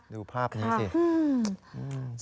ดูภาพนี้สิ